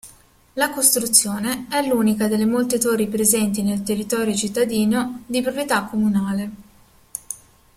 La costruzione è l'unica delle molte torri presenti nel territorio cittadino di proprietà comunale.